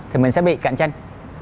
thì mình sẽ bị cạnh tranh